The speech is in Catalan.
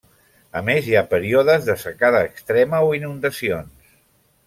A més hi ha períodes de secada extrema o inundacions.